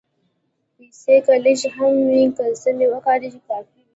پېسې که لږې هم وي، که سمې وکارېږي، کافي وي.